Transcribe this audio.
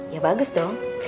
ya bagus dong